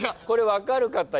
これ分かる方？